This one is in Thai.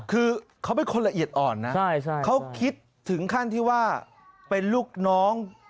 คือเขาเป็นคนละเอียดอ่อนนะเขาคิดถึงขั้นที่ว่าเป็นลูกน้อง